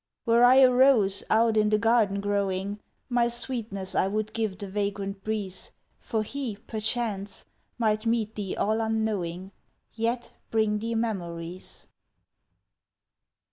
Were I a rose out in the garden growing My sweetness I would give the vagrant breeze For he, perchance, might meet thee all unknowing Yet bring thee memories.